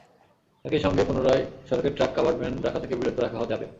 একই সঙ্গে পুনরায় সড়কে ট্রাক-কাভার্ড ভ্যান রাখা থেকে বিরত রাখা যাবে।